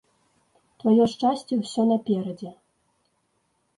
Тваё шчасце ўсё наперадзе.